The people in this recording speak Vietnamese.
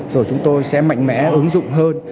rồi chúng tôi sẽ mạnh mẽ ứng dụng hơn